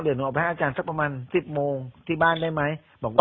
เดี๋ยวหนูเอาไปให้อาจารย์สักประมาณ๑๐โมงที่บ้านได้ไหมบอกว่า